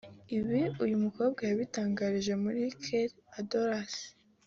Ibi uyu mukobwa yabitangarije muri Kt Idols